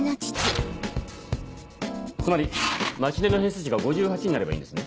つまり真千音の偏差値が５８になればいいんですね。